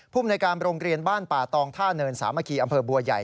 ภูมิในการโรงเรียนบ้านป่าตองท่าเนินสามัคคีอำเภอบัวใหญ่